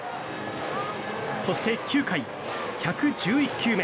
そして９回、１１１球目。